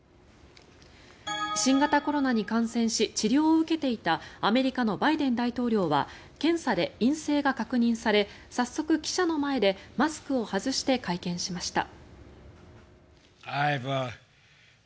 新型コロナに感染し治療を受けていたアメリカのバイデン大統領は検査で陰性が確認され早速、記者の前でマスクを外して会見しました。